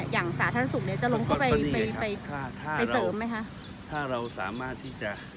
อย่างสาธารณสุขนี้จะลงเข้าไปเสริมไหมคะ